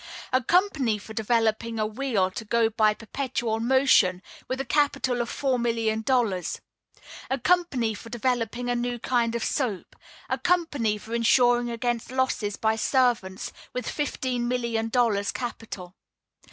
A company for developing a wheel to go by perpetual motion, with a capital of four million dollars. A company for developing a new kind of soap. A company for insuring against losses by servants, with fifteen million dollars capital.